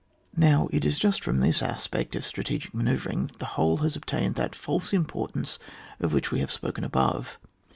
Now it is just from this aspect of stra tegic manoeuvring that the whole has obtained that false importance of which we have spoken above.